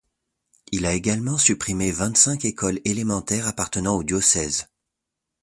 Il a également supprimé vingt-cinq écoles élémentaires appartenant au diocèse.